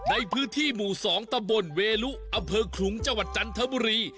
ในพื้นที่หมู่สองตะบนเวลุอาเผอร์ขุงจังหวัดจันทบุรี